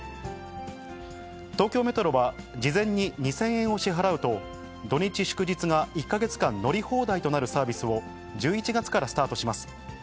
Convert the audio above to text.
東京メトロは、事前に２０００円を支払うと、土日祝日が１か月間、乗り放題となるサービスを１１月からスタートします。